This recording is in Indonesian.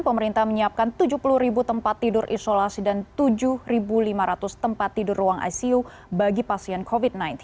pemerintah menyiapkan tujuh puluh tempat tidur isolasi dan tujuh lima ratus tempat tidur ruang icu bagi pasien covid sembilan belas